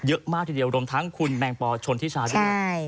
เยอะมากทีเดียวรวมทั้งคุณแมงปอชนทิชาด้วย